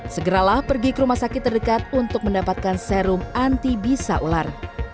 segeralah pergi ke rumah sakit terdekat untuk mendapatkan serum anti bisa ular